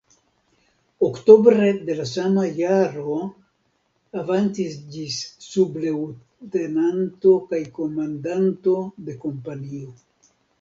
Oktobre de la sama jaro avancis ĝis subleŭtenanto kaj komandanto de kompanio.